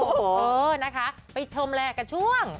เออนะคะไปชมแลกันช่วง